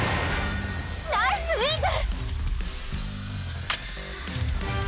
ナイスウィング！